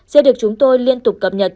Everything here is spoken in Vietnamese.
sẽ được chúng tôi liên tục cập nhật